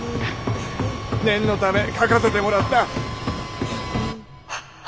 念のため書かせてもらった。